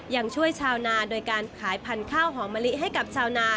ยังช่วยชาวนาโดยการขายพันธุ์ข้าวหอมมะลิให้กับชาวนา